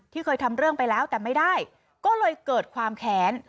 เคยทำเรื่องไปแล้วแต่ไม่ได้ก็เลยเกิดความแค้น